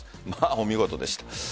お見事でした。